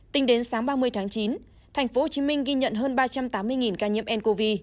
tính đến sáng ba mươi tháng chín tp hcm ghi nhận hơn ba trăm tám mươi ca nhiễm ncov